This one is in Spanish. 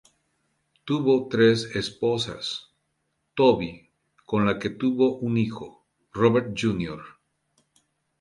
Tuvo tres esposas: Tobi, con la que tuvo un hijo, Robert Jr.